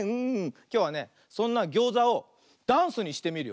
きょうはねそんなギョーザをダンスにしてみるよ。